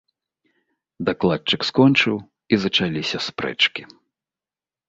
Дакладчык скончыў, і зачаліся спрэчкі.